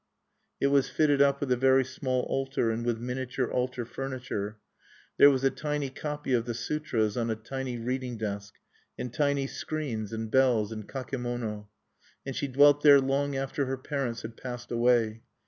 It was fitted up with a very small altar and with miniature altar furniture. There was a tiny copy of the sutras on a tiny reading desk, and tiny screens and bells and kakemono. And she dwelt there long after her parents had passed away.